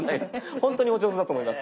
ほんとにお上手だと思います。